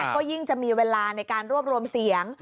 ก็ยิ่งจะมีเวลาในการรวบรวมเสียง